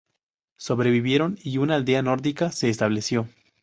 Sobrevivieron, y una aldea nórdica se estableció.